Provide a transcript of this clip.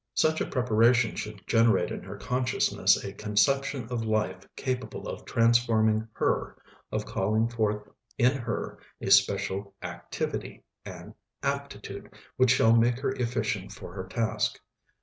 Such a preparation should generate in her consciousness a conception of life capable of transforming her, of calling forth in her a special "activity," an "aptitude" which shall make her efficient for her task.